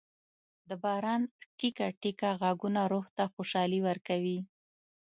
د باران ټېکه ټېکه ږغونه روح ته خوشالي ورکوي.